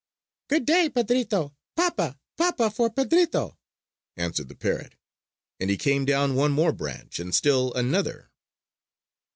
"Good day, Pedrito! Papa, papa for Pedrito!" answered the parrot; and he came down one more branch, and still another.